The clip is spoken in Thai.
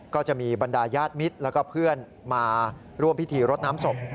ก็จะมีบรรดาญาติมิตรแล้วก็เพื่อนมาร่วมพิธีรดน้ำศพ